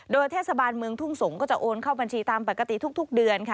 โดยเทศบาลเมืองทุ่งสงศ์ก็จะโอนเข้าบัญชีตามปกติทุกเดือนค่ะ